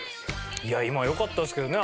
いや今良かったですけどね